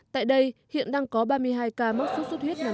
tại đây hiện đang có ba mươi hai ca mắc xuất suyết